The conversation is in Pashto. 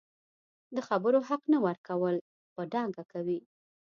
د خبرو حق نه ورکول په ډاګه کوي